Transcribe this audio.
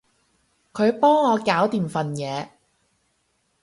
佢幫我搞掂份嘢